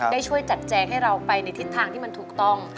ได้ช่วยจัดแจงให้เราไปในทิศทางที่มันถูกต้อง